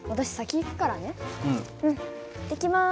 行ってきます。